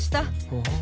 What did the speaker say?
ほう。